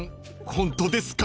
ホントですか？］